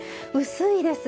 薄いです。